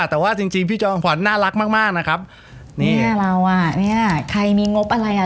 แต่ว่าจริงจริงพี่จอมขวัญน่ารักมากมากนะครับเนี่ยเราอ่ะเนี้ยใครมีงบอะไรอ่ะ